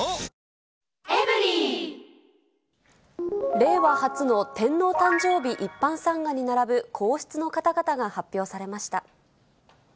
令和初の天皇誕生日一般参賀に並ぶ皇室の方々が発表されました。